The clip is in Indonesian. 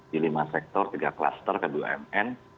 di lima sektor tiga kluster kbumn